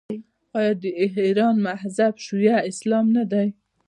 آیا د ایران مذهب شیعه اسلام نه دی؟